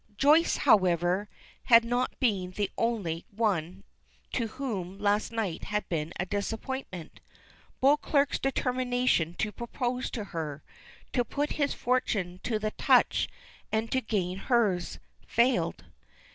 Joyce, however, had not been the only one to whom last night had been a disappointment. Beauclerk's determination to propose to her to put his fortune to the touch and to gain hers failed.